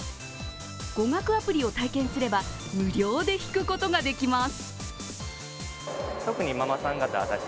語学アプリを体験すれば無料で引くことができます。